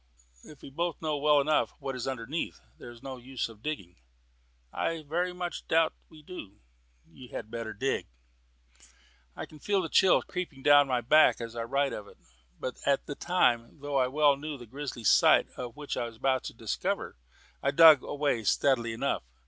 "If we both know well enough what is underneath, what is the use of digging?" "I very much doubt if we do," said he. "You had better dig." I can feel the chill creeping down my back as I write of it; but at the time, though I well knew the grisly sight which I was to discover, I dug away steadily enough.